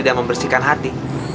dan membersihkan hati